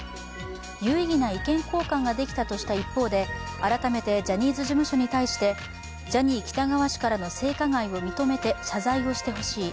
有意義な意見交換ができたとした一方で改めてジャニーズ事務所に対してジャニー喜多川氏からの性加害を認めて謝罪をしてほしい。